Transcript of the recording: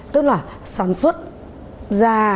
tức là sản xuất ra